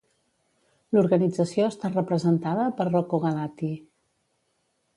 L'organització està representada per Rocco Galati.